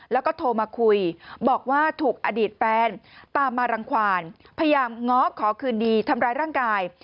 แล้วก็โทรมาคุยบอกว่าถูกอดีตแฟนตามมารังความพยายามง้อขอคืนดีทำร้ายร่างกาย